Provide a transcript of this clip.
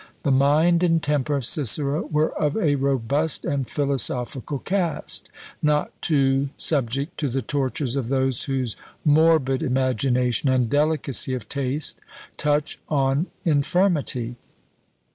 The mind and temper of Cicero were of a robust and philosophical cast, not too subject to the tortures of those whose morbid imagination and delicacy of taste touch on infirmity.